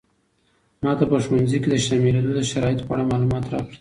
ماته په ښوونځي کې د شاملېدو د شرایطو په اړه معلومات راکړه.